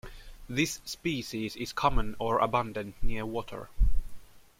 This species is common or abundant near water.